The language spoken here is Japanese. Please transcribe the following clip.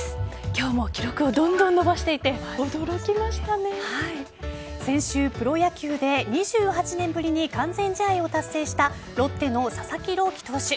今日も記録をどんどん伸ばしていて先週、プロ野球で２８年ぶりに完全試合を達成したロッテの佐々木朗希投手。